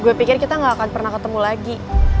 gue pikir kita gak akan pernah ketemu lagi